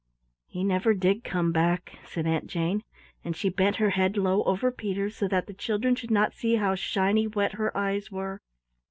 "He never did come back," said Aunt Jane, and she bent her head low over Peter's so that the children should not see how shiny wet her eyes were.